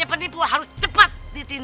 jangan buruk buruk begitu